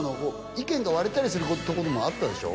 意見が割れたりするところもあったでしょ？